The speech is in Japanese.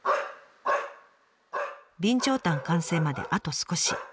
備長炭完成まであと少し。